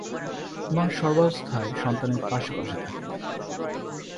মা সর্বাবস্থায় সন্তানের পাশে পাশে থাকেন।